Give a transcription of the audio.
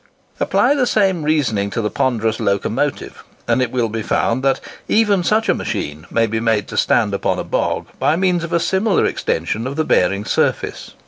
Apply the same reasoning to the ponderous locomotive, and it will be found, that even such a machine may be made to stand upon a bog, by means of a similar extension of the bearing surface.